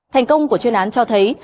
thành công của chuyên án cho thấy